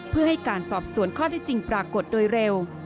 เพื่อให้การสอบสวนข้อที่จริงปรากฏโดยเร็ว